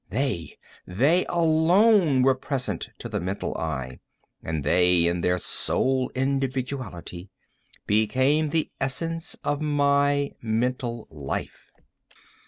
They—they alone were present to the mental eye, and they, in their sole individuality, became the essence of my mental life.